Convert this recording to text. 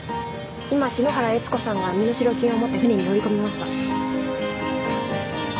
今篠原悦子さんが身代金を持って船に乗り込みました。